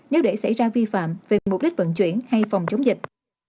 nếu để xảy ra vi phạm về mục đích vận chuyển hay phòng chống dịch